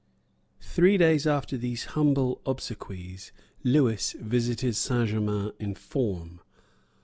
Three days after these humble obsequies Lewis visited Saint Germains in form.